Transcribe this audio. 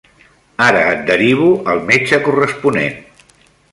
Ara et derivo al metge corresponent.